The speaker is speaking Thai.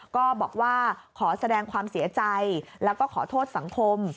ก็บอกว่าขอแสดงความเสียใจแล้วก็ขอโทษสังคม